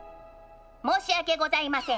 申し訳ございません